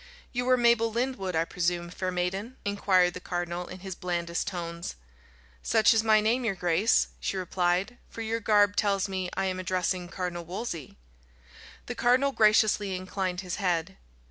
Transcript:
"You are Mabel Lyndwood, I presume, fair maiden?" inquired the cardinal, in his blandest tones. "Such is my name, your grace," she replied; "for your garb tells me I am addressing Cardinal Wolsey." The cardinal graciously inclined his head.